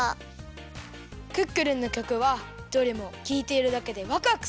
クックルンのきょくはどれもきいているだけでワクワクするね。